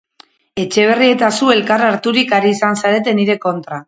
Etxeberri eta zu elkar harturik ari izan zarete nire kontra.